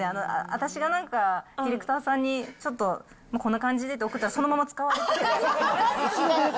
私がなんかディレクターさんにちょっと、こんな感じでと送ったら、そのまま使われてて。